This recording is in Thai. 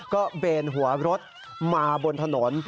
ก็เบนหัวรถมาบนถนน